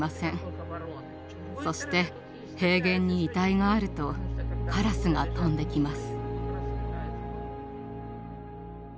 そして平原に遺体があるとカラスが飛んできます。